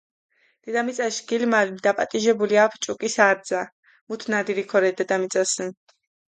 დედამიწაშ გილმალუ დაპატიჟებული აფუ ჭუკის არძა, მუთ ნადირი ქორე დედამიწასჷნ.